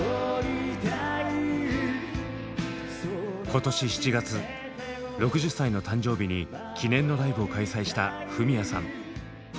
今年７月６０歳の誕生日に記念のライブを開催したフミヤさん。